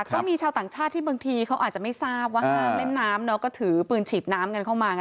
ก็มีชาวต่างชาติที่บางทีเขาอาจจะไม่ทราบว่าห้ามเล่นน้ำเนาะก็ถือปืนฉีดน้ำกันเข้ามาไง